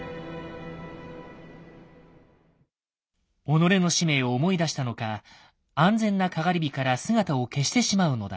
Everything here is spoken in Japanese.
己の使命を思い出したのか安全な篝火から姿を消してしまうのだ。